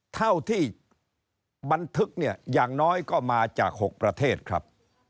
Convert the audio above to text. เท่าที่บันทึกเนี่ยอย่างน้อยก็มาจาก๖ประเทศครับ